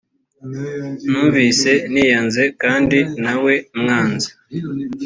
numvise niyanze kandi na we mwanze